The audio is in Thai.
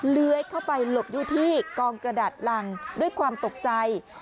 เลื้อยเข้าไปหลบอยู่ที่กองกระดาษรังด้วยความตกใจ